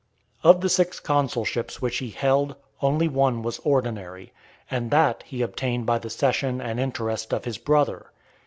Of the six consulships which he held, only one was ordinary; and that he obtained by the cession and interest of his brother.